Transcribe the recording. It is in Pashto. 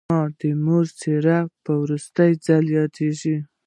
زما د مور څېره په وروستي ځل یادېږي